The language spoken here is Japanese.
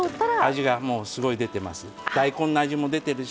味がもうすごい出てます。